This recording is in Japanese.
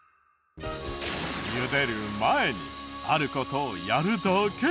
茹でる前にある事をやるだけ！